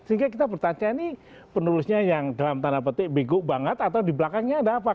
sehingga kita bertanya ini penulisnya yang dalam tanda petik bego banget atau di belakangnya ada apa